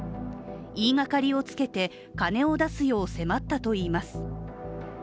言いがかりをつけて、金を出すよう迫ったといいます。